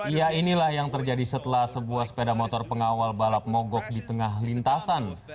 ya inilah yang terjadi setelah sebuah sepeda motor pengawal balap mogok di tengah lintasan